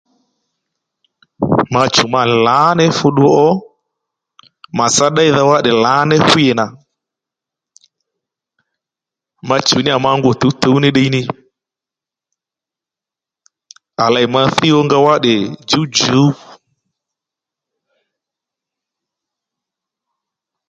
Ma chùw ma nì lǎní fú ddu ó màtsá ddéydha wá tdè lǎní hwî nà ma chùw níyà ma ngû tǔwtǔw ní ddiy ní à lěy ma thíy ónga wá tdè djǔwdjǔw